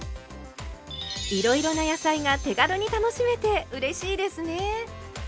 いろいろな野菜が手軽に楽しめてうれしいですね。